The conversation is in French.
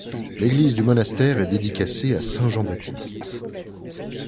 L'église du monastère est dédicacée à Saint Jean-Baptiste.